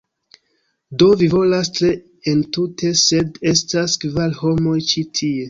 Do, vi volas tri entute, sed estas kvar homoj ĉi tie